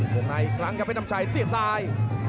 กลุ่มให้อีกครั้งครับเพศน้ำชัยเสียบซ้าย